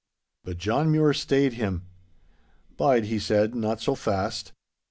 But John Mure stayed him. 'Bide,' he said, 'not so fast.